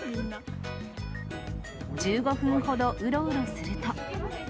１５分ほどうろうろすると。